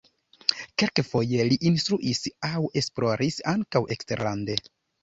Kelkfoje li instruis aŭ esploris ankaŭ eksterlande.